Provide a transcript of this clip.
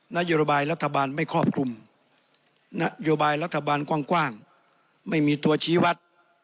นโยบายรัฐบาลไม่ครอบคลุมนโยบายรัฐบาลกว้างไม่มีตัวชี้วัด